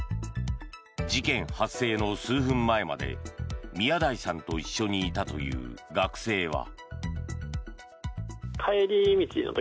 事件発生の数分前まで宮台さんと一緒にいたという学生は。